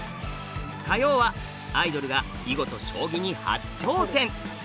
火曜はアイドルが囲碁と将棋に初挑戦！